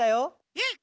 えっ！？